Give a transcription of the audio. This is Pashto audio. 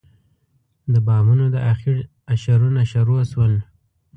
د بامونو د اخېړ اشارونه شروع شول.